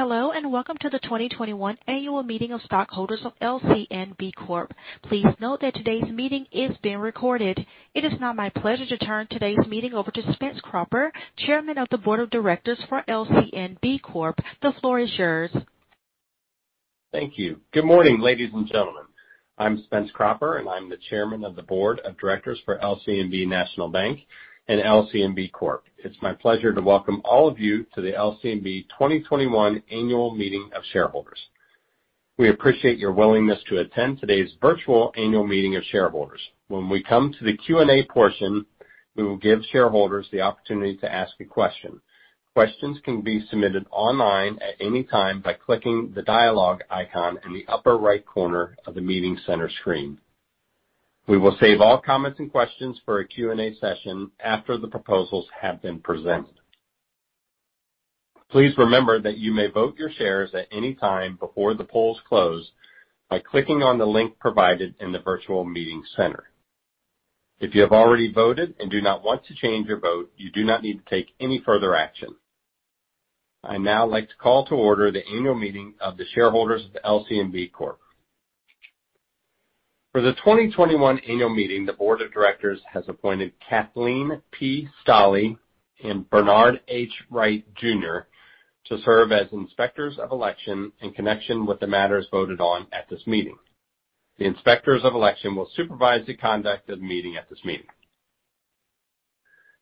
Hello, welcome to the 2021 annual meeting of stockholders of LCNB Corp. Please note that today's meeting is being recorded. It is now my pleasure to turn today's meeting over to Spencer Cropper, Chairman of the Board of Directors for LCNB Corp. The floor is yours. Thank you. Good morning, ladies and gentlemen. I'm Spencer Cropper, and I'm the Chairman of the Board of Directors for LCNB National Bank and LCNB Corp. It's my pleasure to welcome all of you to the LCNB 2021 annual meeting of shareholders. We appreciate your willingness to attend today's virtual annual meeting of shareholders. When we come to the Q&A portion, we will give shareholders the opportunity to ask a question. Questions can be submitted online at any time by clicking the dialogue icon in the upper right corner of the meeting center screen. We will save all comments and questions for a Q&A session after the proposals have been presented. Please remember that you may vote your shares at any time before the polls close by clicking on the link provided in the virtual meeting center. If you have already voted and do not want to change your vote, you do not need to take any further action. I'd now like to call to order the annual meeting of the shareholders of LCNB Corp. For the 2021 annual meeting, the Board of Directors has appointed Kathleen P. Staley and Bernard H. Wright Jr. to serve as inspectors of election in connection with the matters voted on at this meeting. The inspectors of election will supervise the conduct of the meeting at this meeting.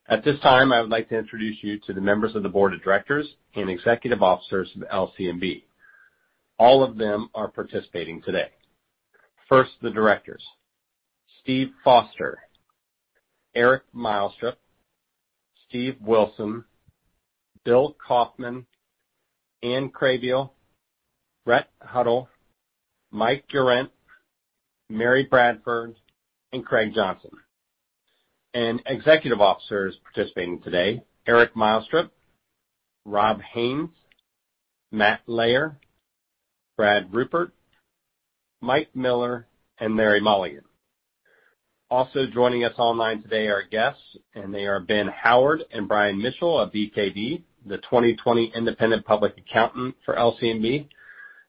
At this time, I would like to introduce you to the members of the Board of Directors and executive officers of LCNB. All of them are participating today. First, the directors, Steve Foster, Eric Meilstrup, Steve Wilson, Bill Kaufman, Anne Krehbiel, Brett Huddle, Mike Durant, Mary Bradford, and Craig Johnson. Executive officers participating today, Eric Meilstrup, Rob Haines, Matt Layer, Brad Ruppert, Mike Miller, and Mary Mulligan. Also joining us online today are guests, and they are Ben Howard and Brian Mitchell of BKD, the 2020 independent public accountant for LCNB,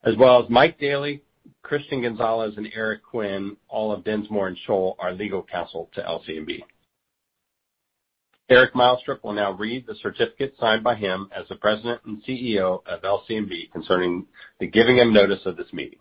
as well as Mike Dailey, Christian Gonzalez, and Eric Quinn, all of Dinsmore & Shohl, are legal counsel to LCNB. Eric Meilstrup will now read the certificate signed by him as the President and CEO of LCNB concerning the giving of notice of this meeting.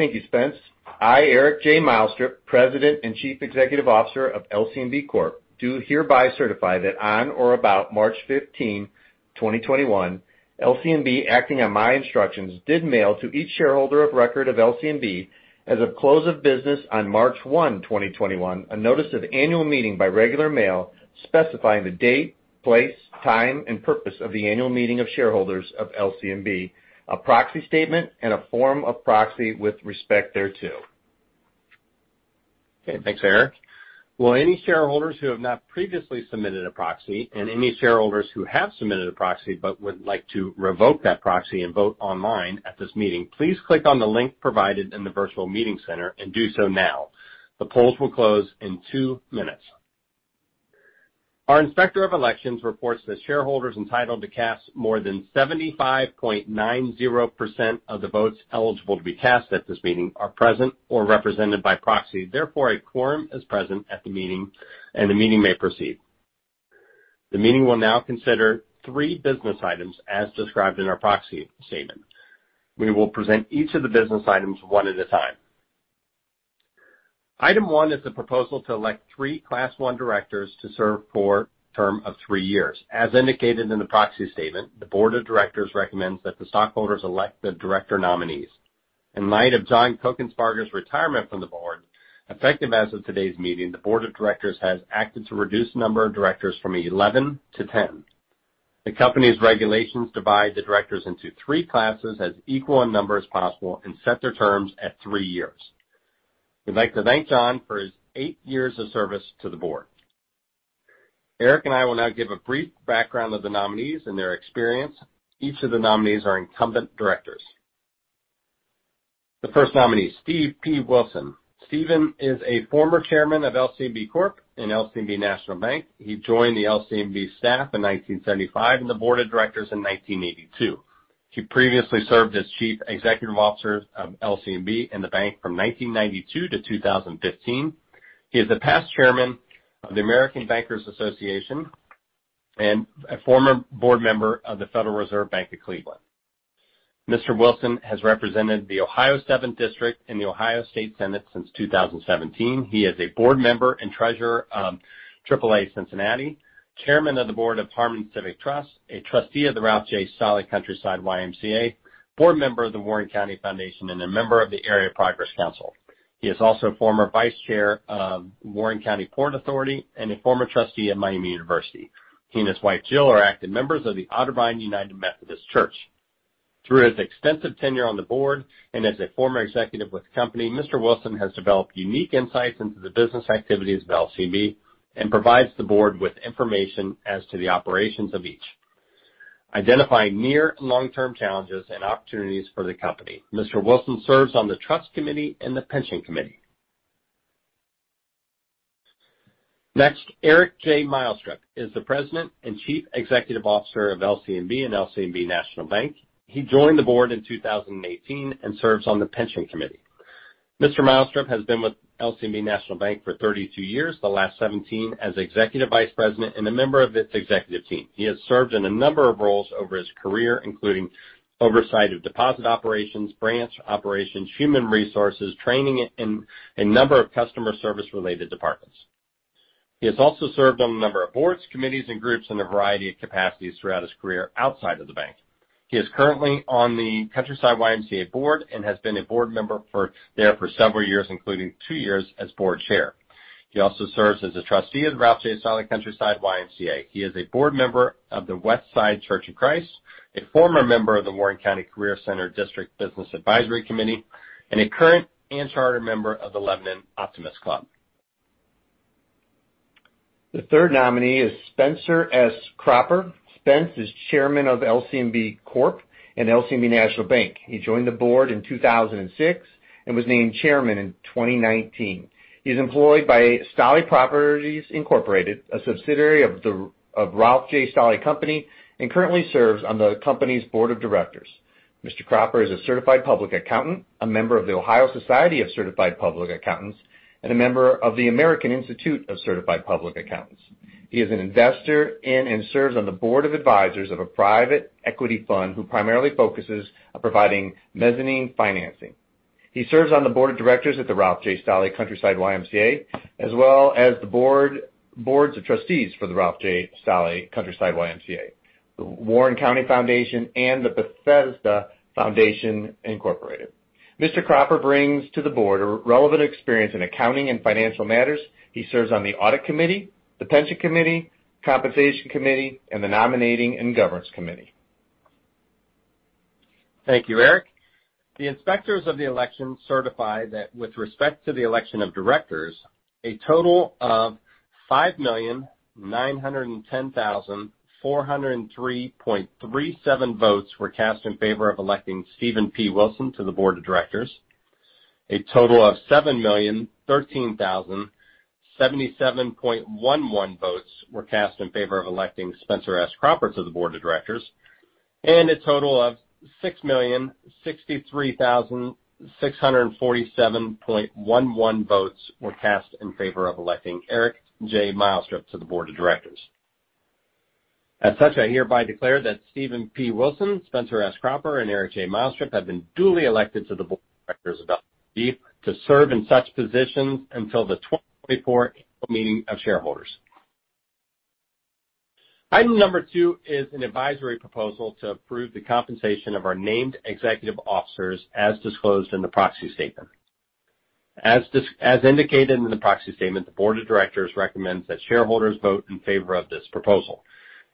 Thank you, Spence. I, Eric J. Meilstrup, President and Chief Executive Officer of LCNB Corp, do hereby certify that on or about March 15th, 2021, LCNB, acting on my instructions, did mail to each shareholder of record of LCNB as of close of business on March 1st, 2021, a notice of annual meeting by regular mail specifying the date, place, time, and purpose of the annual meeting of shareholders of LCNB, a proxy statement, and a form of proxy with respect thereto. Okay. Thanks, Eric. Will any shareholders who have not previously submitted a proxy and any shareholders who have submitted a proxy but would like to revoke that proxy and vote online at this meeting, please click on the link provided in the virtual meeting center and do so now. The polls will close in two minutes. Our inspector of elections reports that shareholders entitled to cast more than 75.90% of the votes eligible to be cast at this meeting are present or represented by proxy. Therefore, a quorum is present at the meeting, and the meeting may proceed. The meeting will now consider three business items as described in our proxy statement. We will present each of the business items one at a time. Item one is the proposal to elect three class 1 directors to serve for a term of three years. As indicated in the proxy statement, the Board of Directors recommends that the stockholders elect the director nominees. In light of John Kuchenbecker's retirement from the board, effective as of today's meeting, the Board of Directors has acted to reduce the number of directors from 11 to 10. The company's regulations divide the directors into three classes as equal in number as possible and set their terms at three years. We'd like to thank John for his eight years of service to the board. Eric and I will now give a brief background of the nominees and their experience. Each of the nominees are incumbent directors. The first nominee, Steve P. Wilson. Steven is a former chairman of LCNB Corp. and LCNB National Bank. He joined the LCNB staff in 1975 and the Board of Directors in 1982. He previously served as Chief Executive Officer of LCNB and the bank from 1992 to 2015. He is the past chairman of the American Bankers Association and a former board member of the Federal Reserve Bank of Cleveland. Mr. Wilson has represented the Ohio Seventh District in the Ohio State Senate since 2017. He is a board member and treasurer of AAA Cincinnati, chairman of the board of Harmon Civic Trust, a trustee of the Ralph J. Stolle Countryside YMCA, board member of the Warren County Foundation, and a member of the Area Progress Council. He is also former vice chair of Warren County Port Authority and a former trustee at Miami University. He and his wife, Jill, are active members of the Otterbein United Methodist Church. Through his extensive tenure on the board and as a former executive with the company, Mr. Wilson has developed unique insights into the business activities of LCNB and provides the board with information as to the operations of each, identifying near and long-term challenges and opportunities for the company. Mr. Wilson serves on the trust committee and the pension committee. Next, Eric J. Meilstrup is the president and chief executive officer of LCNB and LCNB National Bank. He joined the board in 2018 and serves on the pension committee. Mr. Meilstrup has been with LCNB National Bank for 32 years, the last 17 as executive vice president and a member of its executive team. He has served in a number of roles over his career, including oversight of deposit operations, branch operations, human resources, training, and a number of customer service-related departments. He has also served on a number of boards, committees, and groups in a variety of capacities throughout his career outside of the bank. He is currently on the Countryside YMCA board and has been a board member there for several years, including two years as board chair. He also serves as a trustee of the Ralph J. Stolle Countryside YMCA. He is a board member of the Westside Church of Christ, a former member of the Warren County Career Center District Business Advisory Committee, and a current and charter member of the Lebanon Optimist Club. The third nominee is Spencer S. Cropper. Spencer is chairman of LCNB Corp and LCNB National Bank. He joined the board in 2006 and was named chairman in 2019. He's employed by Stolle Properties Incorporated, a subsidiary of Ralph J. Stolle Company, and currently serves on the company's Board of Directors. Mr. Cropper is a certified public accountant, a member of The Ohio Society of Certified Public Accountants, and a member of the American Institute of Certified Public Accountants. He is an investor in and serves on the board of advisors of a private equity fund who primarily focuses on providing mezzanine financing. He serves on the Board of Directors at the Ralph J. Stolle Countryside YMCA, as well as the boards of trustees for the Ralph J. Stolle Countryside YMCA, the Warren County Foundation, and the Bethesda Foundation Incorporated. Mr. Cropper brings to the board a relevant experience in accounting and financial matters. He serves on the Audit Committee, the Pension Committee, Compensation Committee, and the Nominating and Governance Committee. Thank you, Eric. The inspectors of the election certify that with respect to the election of directors, a total of 5,910,403.37 votes were cast in favor of electing Steve P. Wilson to the Board of Directors. A total of 7,013,077.11 votes were cast in favor of electing Spencer S. Cropper to the Board of Directors, and a total of 6,063,647.11 votes were cast in favor of electing Eric J. Meilstrup to the Board of Directors. As such, I hereby declare that Steve P. Wilson, Spencer S. Cropper, and Eric J. Meilstrup have been duly elected to the Board of Directors of LCNB to serve in such positions until the 2024 annual meeting of shareholders. Item number two is an advisory proposal to approve the compensation of our named executive officers as disclosed in the proxy statement. As indicated in the proxy statement, the Board of Directors recommends that shareholders vote in favor of this proposal.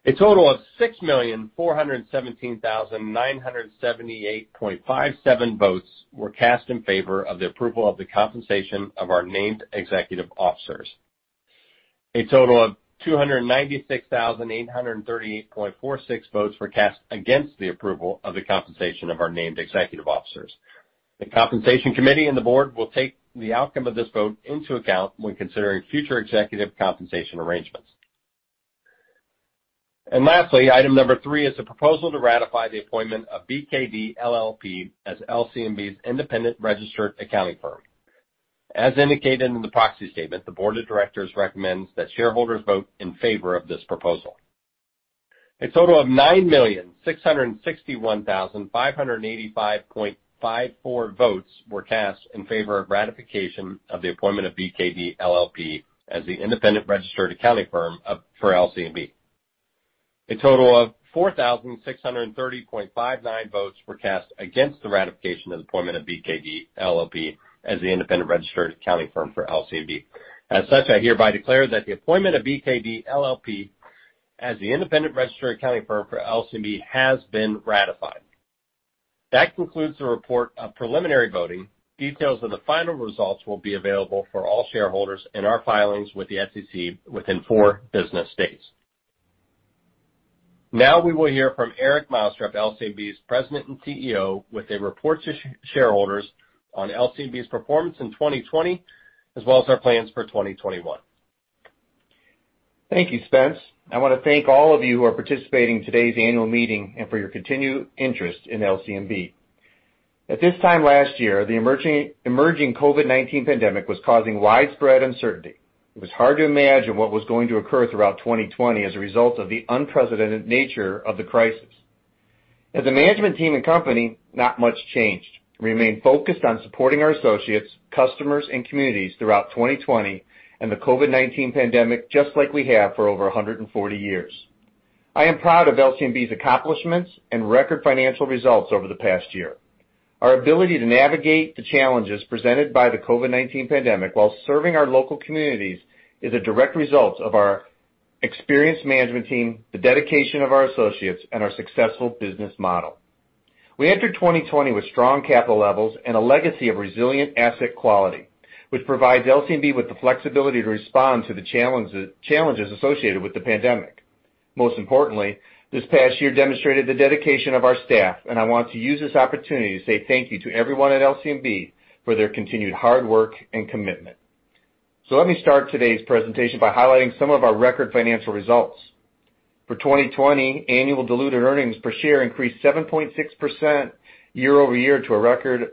A total of 6,417,978.57 votes were cast in favor of the approval of the compensation of our named executive officers. A total of 296,838.46 votes were cast against the approval of the compensation of our named executive officers. The compensation committee and the board will take the outcome of this vote into account when considering future executive compensation arrangements. Lastly, item number three is a proposal to ratify the appointment of BKD, LLP as LCNB's independent registered accounting firm. As indicated in the proxy statement, the Board of Directors recommends that shareholders vote in favor of this proposal. A total of 9,661,585.54 votes were cast in favor of ratification of the appointment of BKD, LLP as the independent registered accounting firm for LCNB. A total of 4,630.59 votes were cast against the ratification of the appointment of BKD, LLP as the independent registered accounting firm for LCNB. As such, I hereby declare that the appointment of BKD, LLP as the independent registered accounting firm for LCNB has been ratified. That concludes the report of preliminary voting. Details of the final results will be available for all shareholders in our filings with the SEC within four business days. We will hear from Eric Meilstrup, LCNB's President and Chief Executive Officer, with a report to shareholders on LCNB's performance in 2020, as well as our plans for 2021. Thank you, Spencer. I want to thank all of you who are participating in today's annual meeting and for your continued interest in LCNB. At this time last year, the emerging COVID-19 pandemic was causing widespread uncertainty. It was hard to imagine what was going to occur throughout 2020 as a result of the unprecedented nature of the crisis. As a management team and company, not much changed. We remained focused on supporting our associates, customers, and communities throughout 2020 and the COVID-19 pandemic, just like we have for over 140 years. I am proud of LCNB's accomplishments and record financial results over the past year. Our ability to navigate the challenges presented by the COVID-19 pandemic while serving our local communities is a direct result of our experienced management team, the dedication of our associates, and our successful business model. We entered 2020 with strong capital levels and a legacy of resilient asset quality, which provides LCNB with the flexibility to respond to the challenges associated with the pandemic. Most importantly, this past year demonstrated the dedication of our staff, and I want to use this opportunity to say thank you to everyone at LCNB for their continued hard work and commitment. Let me start today's presentation by highlighting some of our record financial results. For 2020, annual diluted earnings per share increased 7.6% YoY to a record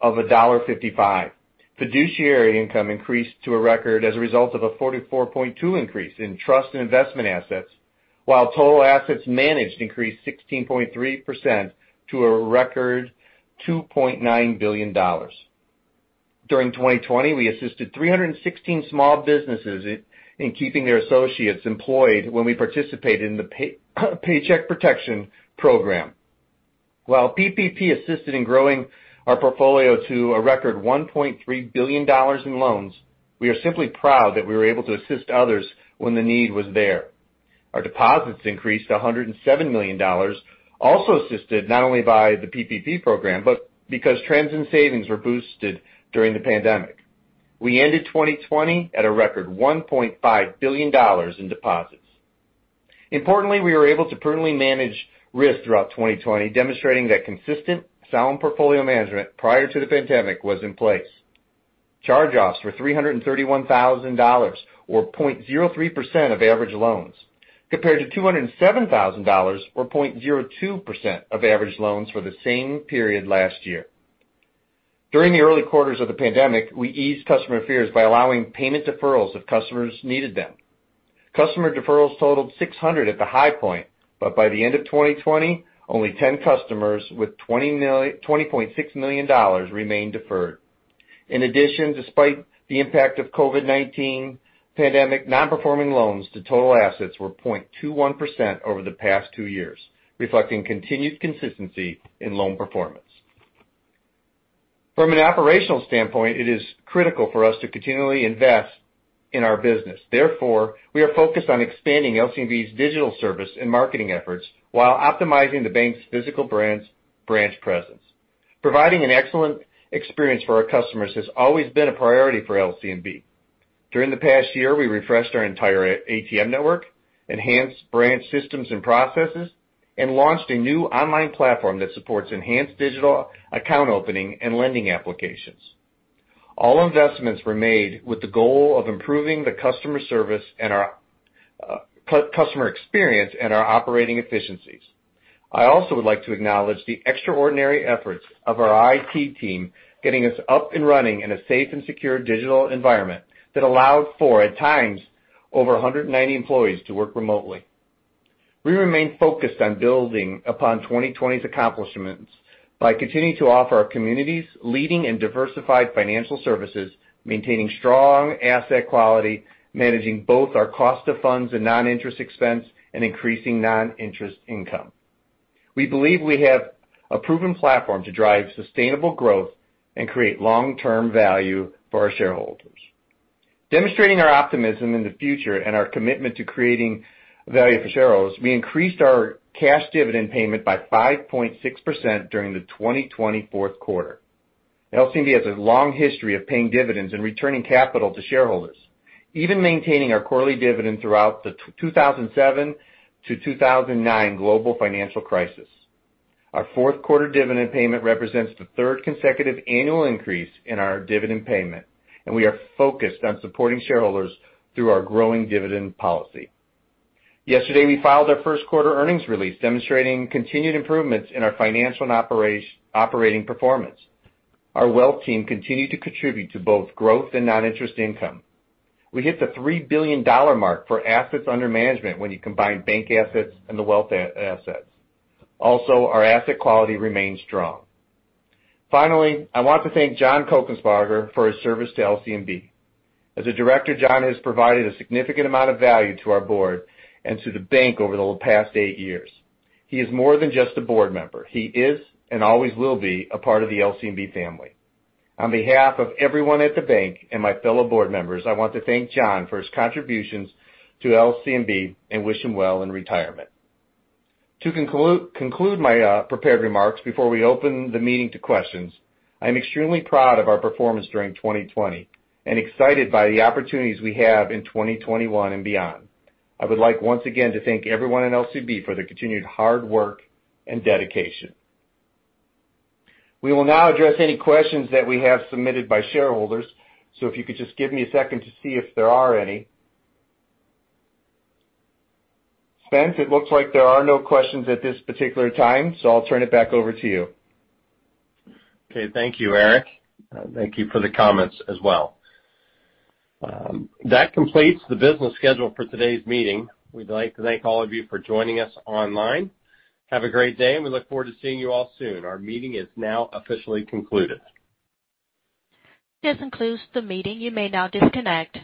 of $1.55. Fiduciary income increased to a record as a result of a 44.2 increase in trust and investment assets, while total assets managed increased 16.3% to a record $2.9 billion. During 2020, we assisted 316 small businesses in keeping their associates employed when we participated in the Paycheck Protection Program. While PPP assisted in growing our portfolio to a record $1.3 billion in loans, we are simply proud that we were able to assist others when the need was there. Our deposits increased to $107 million, also assisted not only by the PPP program, but because trends in savings were boosted during the pandemic. We ended 2020 at a record $1.5 billion in deposits. Importantly, we were able to prudently manage risk throughout 2020, demonstrating that consistent, sound portfolio management prior to the pandemic was in place. Charge-offs were $331,000, or 0.03% of average loans, compared to $207,000, or 0.02% of average loans for the same period last year. During the early quarters of the pandemic, we eased customer fears by allowing payment deferrals if customers needed them. Customer deferrals totaled 600 at the high point, but by the end of 2020, only 10 customers with $20.6 million remain deferred. In addition, despite the impact of COVID-19 pandemic, non-performing loans to total assets were 0.21% over the past two years, reflecting continued consistency in loan performance. From an operational standpoint, it is critical for us to continually invest in our business. Therefore, we are focused on expanding LCNB's digital service and marketing efforts while optimizing the bank's physical branch presence. Providing an excellent experience for our customers has always been a priority for LCNB. During the past year, we refreshed our entire ATM network, enhanced branch systems and processes, and launched a new online platform that supports enhanced digital account opening and lending applications. All investments were made with the goal of improving the customer experience and our operating efficiencies. I also would like to acknowledge the extraordinary efforts of our IT team getting us up and running in a safe and secure digital environment that allowed for, at times, over 190 employees to work remotely. We remain focused on building upon 2020's accomplishments by continuing to offer our communities leading and diversified financial services, maintaining strong asset quality, managing both our cost of funds and non-interest expense, and increasing non-interest income. We believe we have a proven platform to drive sustainable growth and create long-term value for our shareholders. Demonstrating our optimism in the future and our commitment to creating value for shareholders, we increased our cash dividend payment by 5.6% during the 2020 fourth quarter. LCNB has a long history of paying dividends and returning capital to shareholders, even maintaining our quarterly dividend throughout the 2007 to 2009 global financial crisis. Our fourth quarter dividend payment represents the third consecutive annual increase in our dividend payment, and we are focused on supporting shareholders through our growing dividend policy. Yesterday, we filed our first quarter earnings release, demonstrating continued improvements in our financial and operating performance. Our wealth team continued to contribute to both growth and non-interest income. We hit the $3 billion mark for assets under management when you combine bank assets and the wealth assets. Also, our asset quality remains strong. Finally, I want to thank John Kochensparger for his service to LCNB. As a director, John has provided a significant amount of value to our board and to the bank over the past eight years. He is more than just a board member. He is and always will be a part of the LCNB family. On behalf of everyone at the bank and my fellow board members, I want to thank John for his contributions to LCNB and wish him well in retirement. To conclude my prepared remarks before we open the meeting to questions, I am extremely proud of our performance during 2020 and excited by the opportunities we have in 2021 and beyond. I would like, once again, to thank everyone at LCNB for their continued hard work and dedication. We will now address any questions that we have submitted by shareholders, so if you could just give me a second to see if there are any. Spence, it looks like there are no questions at this particular time, so I'll turn it back over to you. Okay. Thank you, Eric. Thank you for the comments as well. That completes the business schedule for today's meeting. We'd like to thank all of you for joining us online. Have a great day, and we look forward to seeing you all soon. Our meeting is now officially concluded. This concludes the meeting. You may now disconnect.